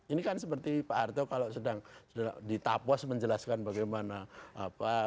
ini kan seperti pak harto kalau sedang ditapos menjelaskan bagaimana apa